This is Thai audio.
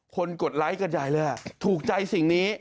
กดไลค์กันใหญ่เลยถูกใจสิ่งนี้